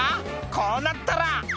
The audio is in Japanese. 「こうなったら」